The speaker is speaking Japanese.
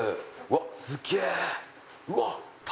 うわっ！